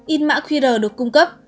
in mã qr được cung cấp